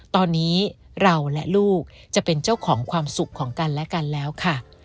ตอนนี้เราและลูกจะเป็นเจ้าของความสุขของกันและกันแล้วค่ะ